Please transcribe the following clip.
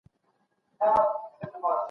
وروسته پاته والي د ټولنې اقتصاد فلج کړ.